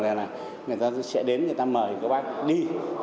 rồi là người ta sẽ đến người ta mời các bác đi